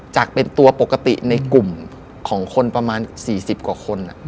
จากเป็นตัวปกติในกลุ่มของคนประมาณ๔๐กว่าคน